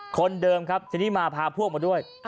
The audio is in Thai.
คนเดิมครับทีนี้มาพาพวกมาด้วย